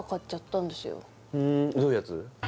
ふんどういうやつ？